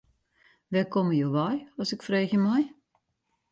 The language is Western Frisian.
Wêr komme jo wei as ik freegje mei.